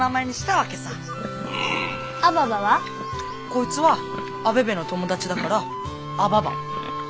こいつはアベベの友達だからアババ。